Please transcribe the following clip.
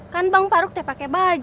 kan bang faruk tak pakai baju